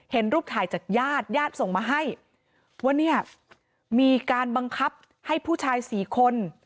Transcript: เห็นรูปถ่ายจากญาติญาติส่งมาให้ว่าเนี่ยมีการบังคับให้ผู้ชายสี่คน